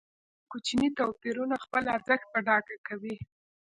ځینې کوچني توپیرونه خپل ارزښت په ډاګه کوي.